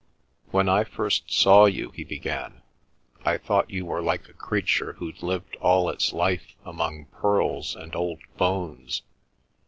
"When I first saw you," he began, "I thought you were like a creature who'd lived all its life among pearls and old bones.